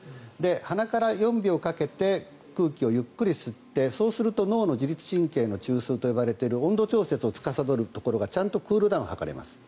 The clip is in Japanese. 鼻から４秒かけて空気をゆっくり吸ってそうすると、脳の自律神経の中枢と呼ばれている温度調節をつかさどるところがちゃんとクールダウンを図れます。